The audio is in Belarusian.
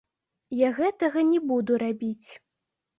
Я гэтага не буду рабіць.